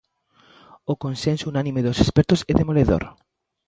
O consenso unánime dos expertos é demoledor.